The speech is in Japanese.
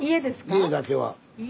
家だけは。